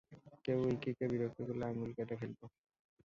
কেউ উইকিকে বিরক্ত করলে, আঙুল কেটে ফেলব।